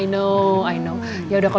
gue udah di ammons